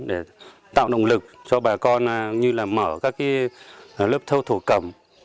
để tạo động lực cho bà con như là mở các lớp thâu thổ cẩm